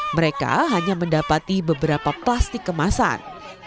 mereka hanya mendapati beberapa plastik kemasan